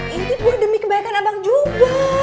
intip gue demi kebaikan abang juga